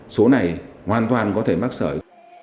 số này hoàn toàn có thể mắc sởi